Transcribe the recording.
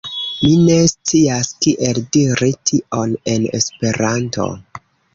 Mi ne scias kiel diri tion en Esperanto.